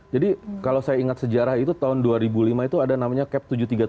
kalau saya ingat sejarah itu tahun dua ribu lima itu ada namanya cap tujuh ratus tiga puluh tujuh